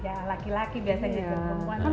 ya laki laki biasanya jadi temuan